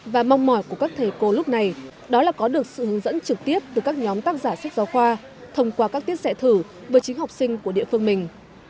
và mong mỏi của các thầy cô lúc này đó là có được sự hướng dẫn trực tiếp từ các nhóm tác giả sách giáo khoa thông qua các tiết xẻ thử với chính học sinh của địa phương mình